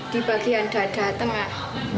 di bagian dada tengah